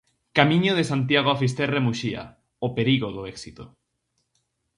Camiño de Santiago a Fisterra e Muxía: o perigo do éxito.